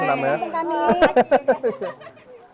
selamat datang ya pak